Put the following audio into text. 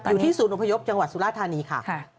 อยู่ที่ศูนย์อพยพจังหวัดสุราธานีค่ะ